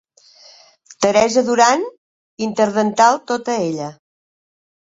Teresa Duran, interdental tota ella.